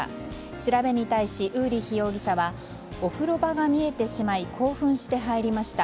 調べに対しウーリッヒ容疑者はお風呂場が見えてしまい興奮して入りました。